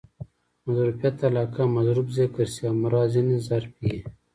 مظروفیت علاقه؛ مظروف ذکر سي او مراد ځني ظرف يي.